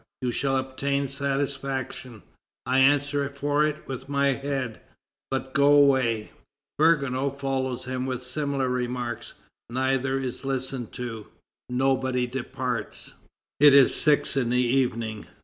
You shall obtain satisfaction; I answer for it with my head; but go away." Vergniaud follows him with similar remarks. Neither is listened to. Nobody departs. It is six in the evening.